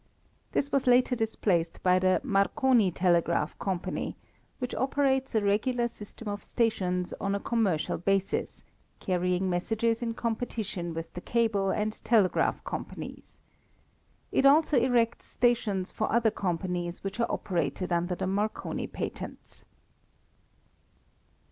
This was later displaced by the Marconi Telegraph Company, which operates a regular system of stations on a commercial basis, carrying messages in competition with the cable and telegraph companies. It also erects stations for other companies which are operated under the Marconi patents.